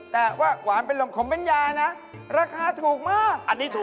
แต่ว่าหวานเป็นโลมขมปัญญานะราคาถูกมาก